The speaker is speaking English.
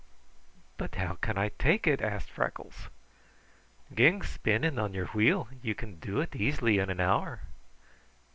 "But how can I take it?" asked Freckles. "Gang spinning on your wheel. Ye can do it easy in an hour."